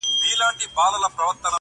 را حاضر یې کړل سویان وه که پسونه،